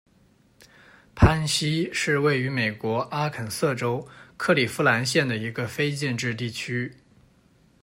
潘西是位于美国阿肯色州克里夫兰县的一个非建制地区。